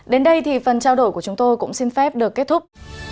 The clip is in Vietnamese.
đến đây thì phần trao đổi của chúng tôi cũng xin phép được kết thúc